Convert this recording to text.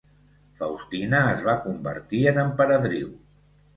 Faustina es va convertir en emperadriu.